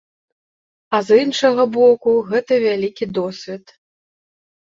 А з іншага боку, гэта вялікі досвед.